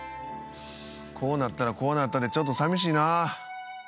こうなったらこうなったでちょっとさみしいな。